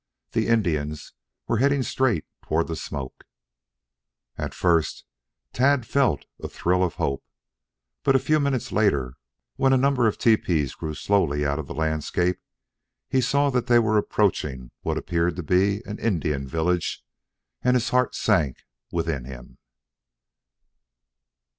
The Indians were heading straight toward the smoke. At first Tad had felt a thrill of hope. But a few moments later when a number of tepees grew slowly out of the landscape he saw that they were approaching what appeared to be an Indian village, and his heart sank within him.